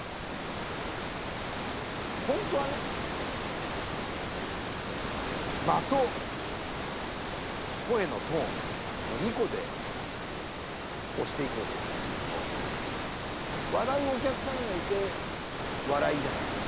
本当はね「間」と「声のトーン」の２個で押していこうとしたんですけど笑うお客さんがいて笑いじゃないですか。